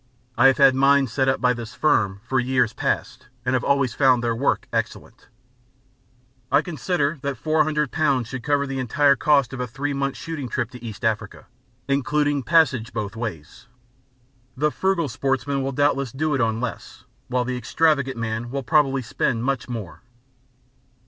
I have had mine set up by this firm for years past, and have always found their work excellent. I consider that 400 pounds should cover the entire cost of a three months' shooting trip to East Africa, including passage both ways. The frugal sportsman will doubtless do it on less, while the extravagant man will probably spend very much more.